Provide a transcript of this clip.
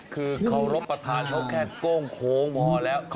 คือเคารพประทานเขาแค่โก้งโค้งพอแล้ว